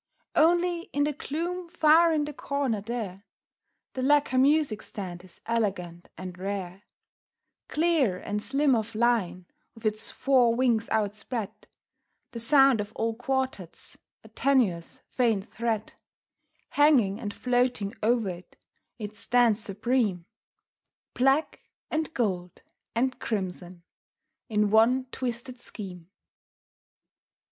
Only in the gloom far in the corner there The lacquer music stand is elegant and rare, Clear and slim of line, with its four wings outspread, The sound of old quartets, a tenuous, faint thread, Hanging and floating over it, it stands supreme Black, and gold, and crimson, in one twisted scheme!